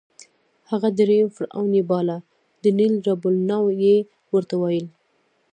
هغه درېیم فرعون یې باله، د نېل رب النوع یې ورته ویل.